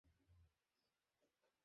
তিনি অত্যন্ত বিচলিত হয়ে পড়লেন।